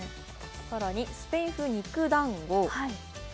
更にスペイン風肉団子。